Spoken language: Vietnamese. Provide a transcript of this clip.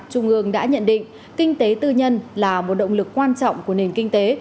trung ương đã nhận định kinh tế tư nhân là một động lực quan trọng của nền kinh tế